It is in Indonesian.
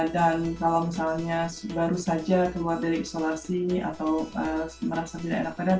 dan kalau misalnya baru saja keluar dari isolasi atau merasa tidak enak badan